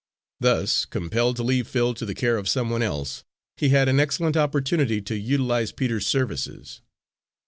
Thus compelled to leave Phil to the care of some one else, he had an excellent opportunity to utilise Peter's services.